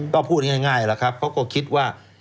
ก็พูดง่ายแล้วครับเขาก็คิดว่า